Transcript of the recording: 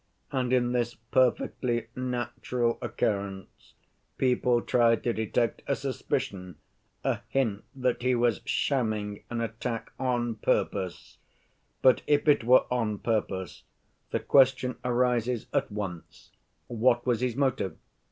And in this perfectly natural occurrence people try to detect a suspicion, a hint that he was shamming an attack on purpose. But, if it were on purpose, the question arises at once, what was his motive?